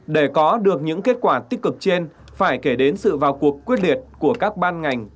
để có được những kết quả tích cực trên phải kể đến sự vào cuộc quyết liệt của các ban ngành